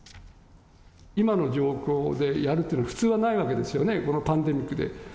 今の状況でやるというのは、普通はないわけですよね、このパンデミックで。